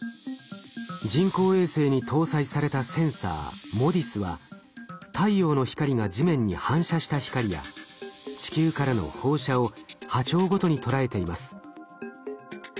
人工衛星に搭載されたセンサーＭＯＤＩＳは太陽の光が地面に反射した光や地球からの放射を波長ごとに捉えています。